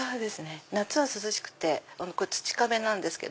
夏は涼しくて土壁なんですけど。